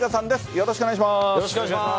よろしくお願いします。